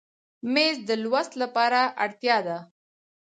مېز د لوست لپاره اړتیا ده.